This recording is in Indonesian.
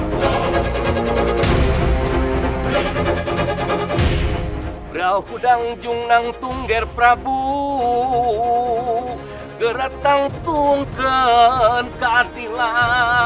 harus bisa meredam amarah